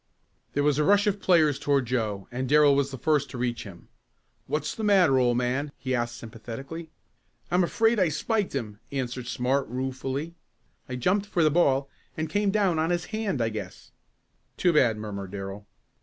There was a rush of players toward Joe, and Darrell was the first to reach him. "What's the matter, old man?" he asked sympathetically. "I'm afraid I spiked him," answered Smart, ruefully. "I jumped for the ball, and came down on his hand I guess." "Too bad," murmured Darrell.